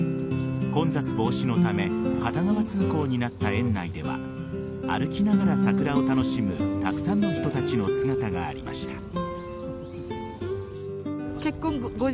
混雑防止のため片側通行になった園内では歩きながら桜を楽しむたくさんの人たちの姿がありました。